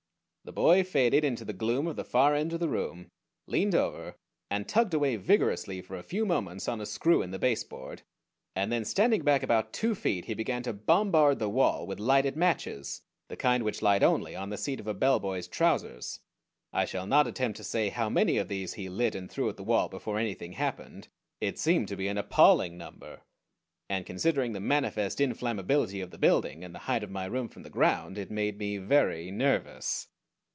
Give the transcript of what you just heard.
The boy faded into the gloom of the far end of the room, leaned over, and tugged away vigorously for a few moments on a screw in the baseboard, and then standing back about two feet he began to bombard the wall with lighted matches the kind which light only on the seat of a bellboy's trousers. I shall not attempt to say how many of these he lit and threw at the wall before anything happened. It seemed to be an appalling number, and considering the manifest inflammability of the building, and the height of my room from the ground, it made me very nervous.